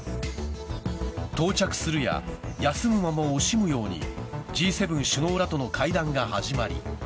到着するや休む間も惜しむようにＧ７首脳らとの会談が始まり